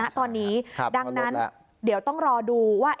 ตอนนี้ดังนั้นเดี๋ยวต้องรอดูว่า